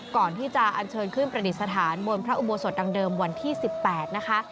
ก่อนที่จะอันเชิญขึ้นประดิษฐานบนพระอุโบสถดังเดิมวันที่๑๘นะคะ